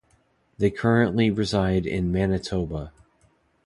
They currently reside in Manitoba.